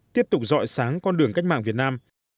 tiếp tục dọi sáng con đường cách mạng việt nam